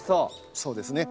そうですね。